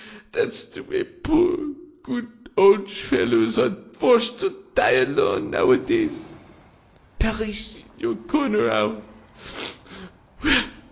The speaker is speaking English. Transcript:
That's the way poor, good old fellows are forced to die alone, nowadays. Perish in your corner, owl!